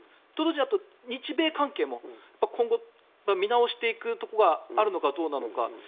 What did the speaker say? と、同時に日米関係も今後、見直していくところがあるのかどうなのか。